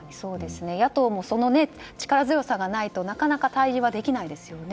野党もその力強さがないとなかなか対峙ができないですよね。